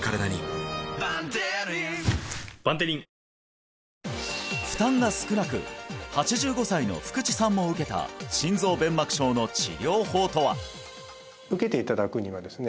すごい！負担が少なく８５歳の福地さんも受けた心臓弁膜症の治療法とは？